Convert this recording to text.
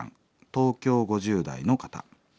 東京５０代の方。